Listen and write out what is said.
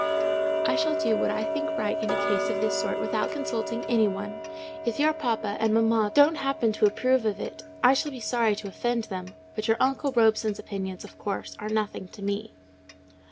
"I shall do what I think right in a case of this sort without consulting any one. If your papa and mamma don't happen to approve of it, I shall be sorry to offend them; but your uncle Robson's opinions, of course, are nothing to me."